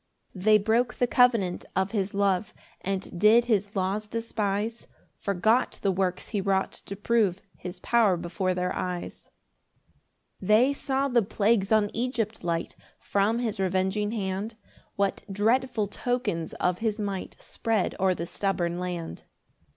2 They broke the covenant of his love, And did his laws despise, Forgot the works he wrought to prove His power before their eyes. 3 They saw the plagues on Egypt light, From his revenging hand: What dreadful tokens of his might Spread o'er the stubborn land!